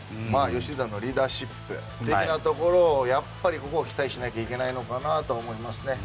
吉田のリーダーシップ的なところを期待しなきゃいけないのかなと思いますね。